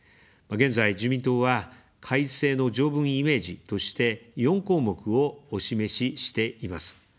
現在、自民党は改正の条文イメージとして、４項目をお示ししています。